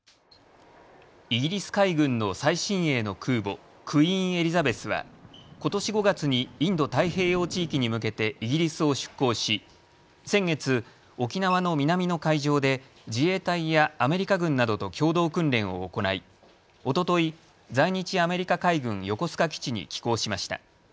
イギリス海軍の最新鋭の空母クイーン・エリザベスはことし５月にインド太平洋地域に向けてイギリスを出航し先月、沖縄の南の海上で自衛隊やアメリカ軍などと共同訓練を行いおととい、在日アメリカ海軍横須賀基地に寄港しました。